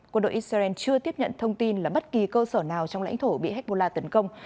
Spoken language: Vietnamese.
quân đội israel chưa tiếp nhận thông tin là bất kỳ cơ sở nào trong lãnh thổ bị hezbollah tấn công